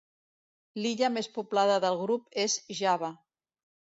L'illa més poblada del grup és Java.